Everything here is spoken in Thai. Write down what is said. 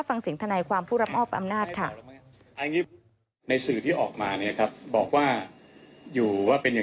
ฟังเสียงทนายความผู้รับอ้อบอำนาจค่ะ